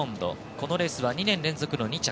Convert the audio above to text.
このレースは２年連続の２着。